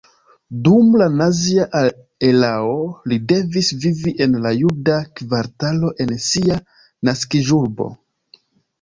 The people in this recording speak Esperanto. Dum la nazia erao li devis vivi en la juda kvartalo en sia naskiĝurbo.